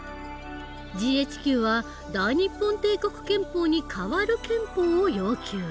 ＧＨＱは大日本帝国憲法に代わる憲法を要求。